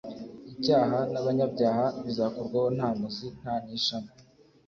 Icyaha n'abanyabyaha bizakurwaho nta muzi nta n'ishami",